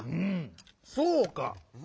そうか！